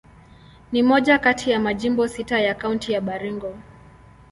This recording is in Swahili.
Ni moja kati ya majimbo sita ya Kaunti ya Baringo.